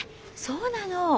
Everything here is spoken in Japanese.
そうなの！